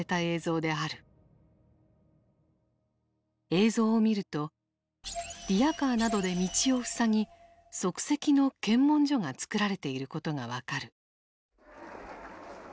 映像を見るとリヤカーなどで道を塞ぎ即席の検問所が作られていることが分かる。